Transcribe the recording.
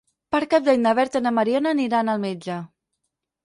Per Cap d'Any na Berta i na Mariona aniran al metge.